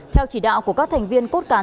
theo chỉ đạo của các thành viên cốt cán